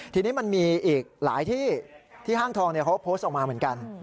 ทีนี้มันมีอีกหลายที่ที่ห้างทองเขาโพสต์ออกมาเหมือนกัน